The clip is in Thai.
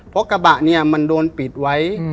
เพราะกระบะเนี่ยมันโดนปิดไว้